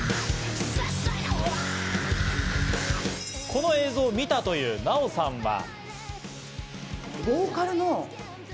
この映像を見たというナヲさんは。